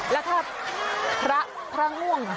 แล้วถ้าพระง่วง